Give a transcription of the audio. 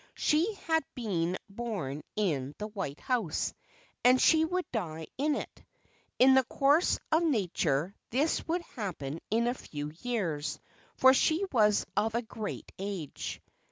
She had been born in The White House, and she would die in it. In the course of nature this would happen in a few years, for she was of a great age.